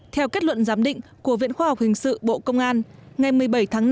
theo kết luận giám định của viện khoa học hình sự bộ công an ngày một mươi bảy tháng năm